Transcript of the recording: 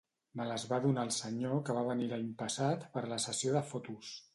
Me les va donar el senyor que va venir l'any passat per la sessió de fotos.